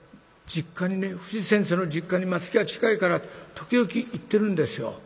実家にね藤先生の実家に松木が近いから時々行ってるんですよ